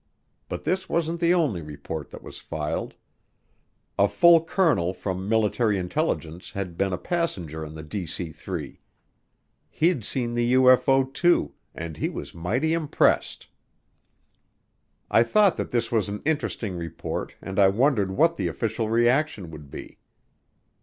But this wasn't the only report that was filed; a full colonel from military intelligence had been a passenger on the DC 3. He'd seen the UFO too, and he was mighty impressed. I thought that this was an interesting report and I wondered what the official reaction would be.